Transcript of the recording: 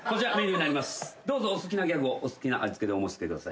どうぞお好きなギャグをお好きな味付けでお申し付けください。